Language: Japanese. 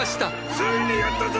ついにやったぞ！